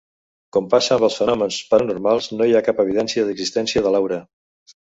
Com passa amb els fenòmens paranormals, no hi ha cap evidència d'existència de l'aura.